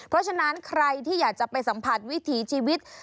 เพราะฉะนั้นใครที่อยากจะไปสัมผัสวิถีชีวิต